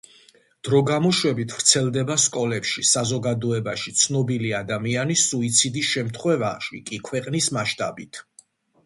დროგამოშვებით ვრცელდება სკოლებში, საზოგადოებაში, ცნობილი ადამიანის სუიციდის შემთხვევაში კი ქვეყნის მასშტაბით.